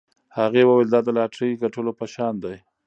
هغې وویل دا د لاټرۍ ګټلو په شان دی.